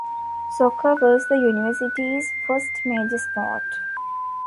Soccer was the university's first major sport.